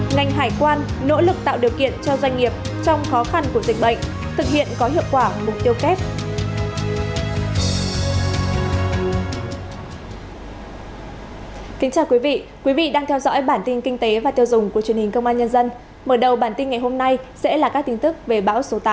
ngành hải quan nỗ lực tạo điều kiện cho doanh nghiệp trong khó khăn của dịch bệnh thực hiện có hiệu quả mục tiêu kép